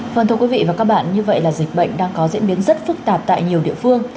vâng thưa quý vị và các bạn như vậy là dịch bệnh đang có diễn biến rất phức tạp tại nhiều địa phương